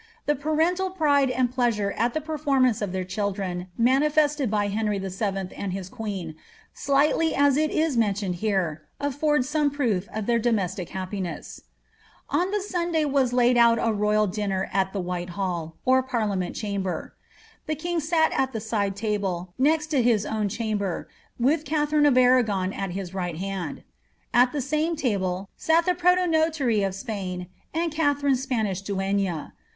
^ The parental pride and pleasure at the perh nuance of their children manifested by Henry Vll. and his queen, sligh v as it is men tioned here, affords some proof of their domestic happiniss. *^ On the Sunday Mras laid out a royal dinner in the Whitehall, or par liiment chamber. The king sat at the side table, next to his own cham ber,' with Katharine of Arragon at his right hand. At the same table sat the protonotary of Spain and Katharine's Spanish duenna.